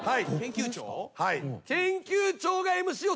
はい。